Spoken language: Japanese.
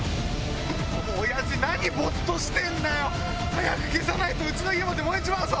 親父何ぼっとしてんだよ！早く消さないとうちの家まで燃えちまうぞ！